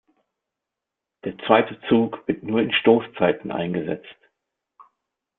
Der zweite Zug wird nur in Stoßzeiten eingesetzt.